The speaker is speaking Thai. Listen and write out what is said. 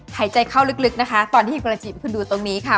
หายใจเข้าลึกนะคะตอนที่กำลังจิบให้คุณดูตรงนี้ค่ะ